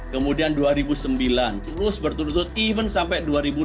kemudian dua ribu sembilan terus berturut turut even sampai dua ribu dua puluh